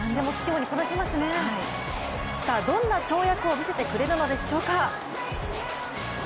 どんな跳躍を見せてくれるのでしょうか。